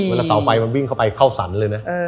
เสาไฟมันวิ่งเข้าไปเข้าสรรเลยนะ